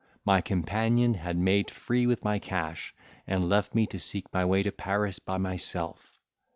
My companion had made free with my cash, and left me to seek my way to Paris by myself!